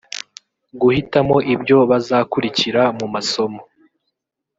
Guhitamo ibyo bazakurikira mu masomo